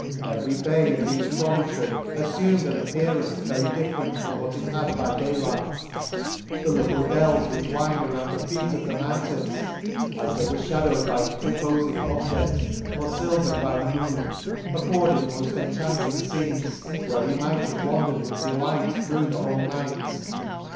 —Every bay, and each promontary, afTumed an appearance very different from what it had b j day light ;— the little dells <& Lakes. 155 dells which wind around the feet of the mountains, as they w r ere fhadowed by in terpofing obje&s, or filvered by the moon, afforded moft enchanting fcenes; where we might have wandered with delight through the whole night.